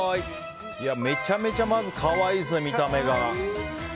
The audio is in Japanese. めちゃめちゃまず可愛いですね、見た目が。